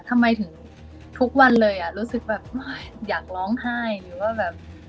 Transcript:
ทำไมถึงทุกวันเลยอ่ะรู้สึกแบบอยากร้องไห้หรือว่าแบบ